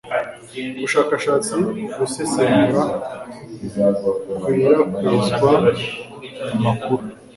ubushakashatsi ugusesengura gukwirakwiza amakuru